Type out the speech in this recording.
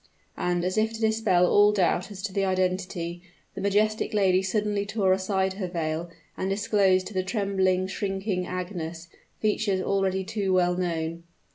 And, as if to dispel all doubt as to the identity, the majestic lady suddenly tore aside her veil, and disclosed to the trembling, shrinking Agnes, features already too well known.